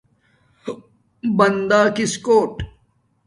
بندَگس کوٹ